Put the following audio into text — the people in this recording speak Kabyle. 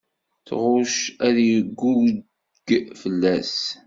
Tɣucc ad iggug fell-as.